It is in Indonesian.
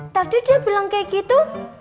tadi dia bilang kayak gitu